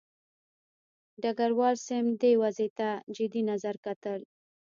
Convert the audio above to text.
ډګروال سمیت دې وضع ته جدي نظر کتل.